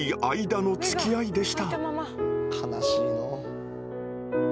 悲しいのう。